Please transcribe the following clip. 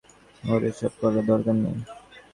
ওর এসব করার দরকার নেই।